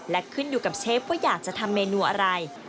และขึ้นอยู่กับเชฟว่าอยากจะทำเมนูอะไร